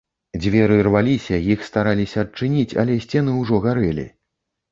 Дзверы рваліся, іх стараліся адчыніць, але сцены ўжо гарэлі.